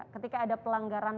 ketika ada pelanggaran